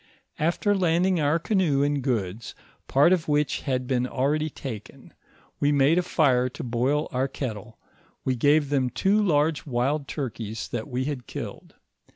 After landing our canoe and goods, part of which had been already taken, we made a fire to boil our kettle; we gave them two large wild turkeys that we had killed.